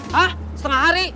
hah setengah hari